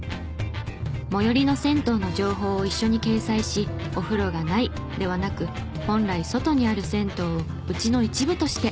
最寄りの銭湯の情報を一緒に掲載しお風呂が「ない」ではなく「本来外にある銭湯を家の一部として！」。